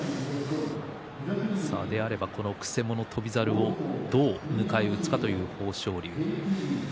であれば、このくせ者翔猿をどう迎え撃つかという豊昇龍。